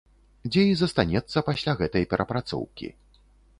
Дзе і застанецца пасля гэтай перапрацоўкі.